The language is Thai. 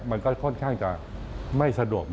มันก็ค่อนข้างจะไม่สะดวก